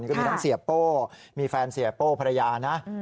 ก็มีทั้งเสียโป้มีแฟนเสียโป้ภรรยานะ